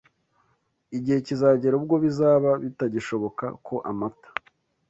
Igihe kizagera ubwo bizaba bitagishoboka ko amata